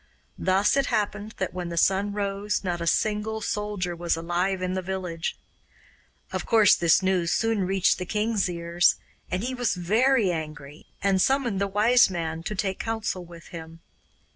Thus it happened that when the sun rose not a single soldier was alive in the village. Of course this news soon reached the king's ears, and he was very angry, and summoned the Wise Man to take counsel with him.